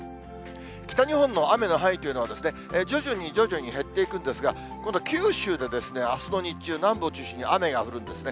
北日本の雨の範囲というのは、徐々に徐々に減っていくんですが、今度は九州であすの日中、南部を中心に雨が降るんですね。